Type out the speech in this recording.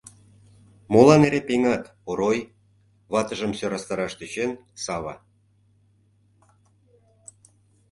— Молан эре пеҥат, Орой? — ватыжым сӧрастараш тӧчен Сава.